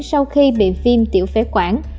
sau khi bị phim tiểu phế quản